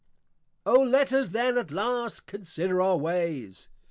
O let us then at last, consider our ways.